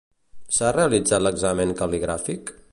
S'ha realitzat l'examen cal·ligràfic?